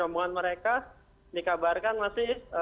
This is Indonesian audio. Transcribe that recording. rombongan mereka dikabarkan masih